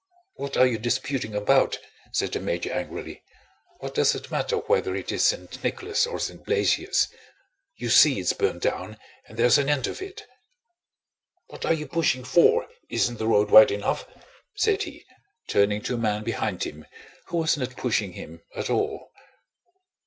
"What are you disputing about?" said the major angrily. "What does it matter whether it is St. Nicholas or St. Blasius? You see it's burned down, and there's an end of it.... What are you pushing for? Isn't the road wide enough?" said he, turning to a man behind him who was not pushing him at all.